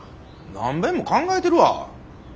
何べんも考えてるわ！